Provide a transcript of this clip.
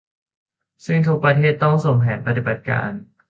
ซึ่งทุกประเทศต้องส่งแผนปฏิบัติการ